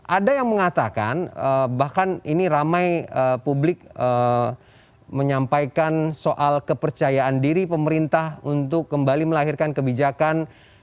ada yang mengatakan bahkan ini ramai publik menyampaikan soal kepercayaan diri pemerintah untuk kembali melahirkan kebijakan